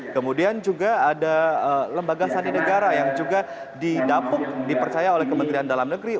kemudian juga ada lembaga sandi negara yang juga didapuk dipercaya oleh kementerian dalam negeri